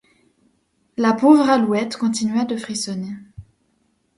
La pauvre Alouette continua de frissonner.